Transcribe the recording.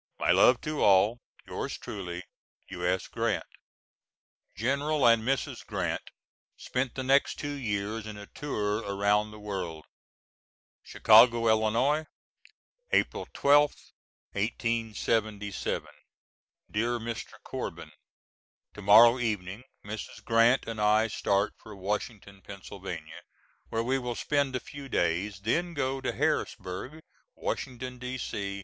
My love to all. Yours truly, U.S. GRANT. [General and Mrs. Grant spent the next two years in a tour around the world.] Chicago, Ill., April 12th, 1877. DEAR MR. CORBIN: To morrow evening Mrs. Grant and I start for Washington, Pa., where we will spend a few days, then go to Harrisburgh, Washington, D.C.